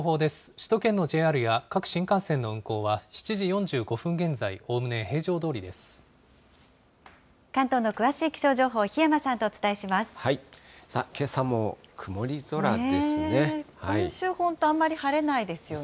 首都圏のＪＲや各新幹線の運行は、７時４５分現在、おおむね平常ど関東の詳しい気象情報、檜山けさも曇り空ですね。